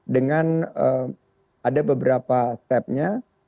dengan ada beberapa stepnya